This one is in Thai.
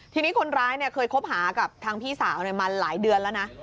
ทีนี้คนร้ายเคยคบหากับทางพี่สาวมาหลายเดือนแล้วนะ